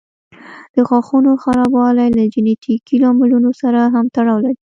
د غاښونو خرابوالی له جینيټیکي لاملونو سره هم تړاو لري.